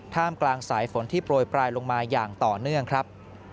กลางสายฝนที่โปรยปลายลงมาอย่างต่อเนื่องครับ